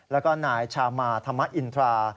แล้วก็นายชามาธรรมอินทรา